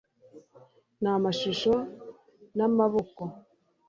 ni amashusho namaboko